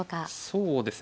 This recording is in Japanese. そうですね。